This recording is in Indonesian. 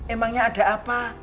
emangnya ada apa